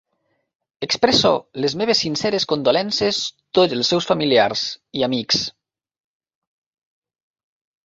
Expresso les meves sinceres condolences tots els seus familiars i amics.